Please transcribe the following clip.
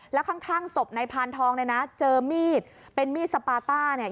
แล้วข้างข้างศพนายพานทองเนี่ยนะเจอมีดเป็นมีดสปาต้าเนี่ย